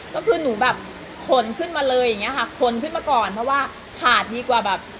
ก็คือหนูแบบขนขึ้นมาเลยอย่างเงี้ค่ะขนขึ้นมาก่อนเพราะว่าขาดดีกว่าแบบ